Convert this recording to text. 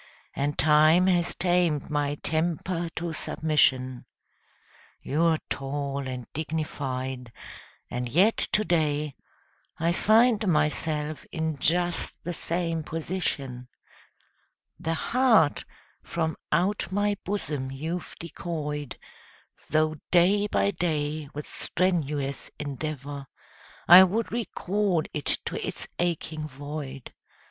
And time has tamed my temper to submission. You're tall and dignified, and yet to day I find myself in just the same position. The heart from out my bosom you've decoyed, Though day by day with strenuous endeavour I would recall it to its aching void.